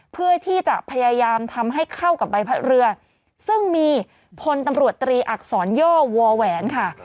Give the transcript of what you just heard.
เพื่อที่จะพยายามทำให้เข้ากับใบพัดเรือซึ่งมีพลตำรวจตรีอักษรย่อวอแหวนค่ะ